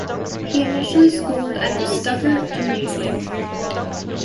He initially schooled at the Stuttgart Gymnasium.